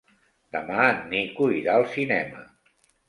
Demà en Nico irà al cinema.